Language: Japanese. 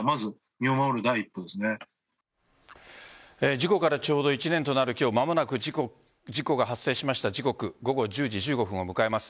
事故からちょうど１年となる今日、間もなく事故が発生しました時刻午後１０時１５分を迎えます。